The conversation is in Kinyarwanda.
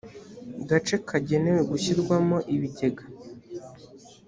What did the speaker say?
gace kagenewe gushyirwamo ibigega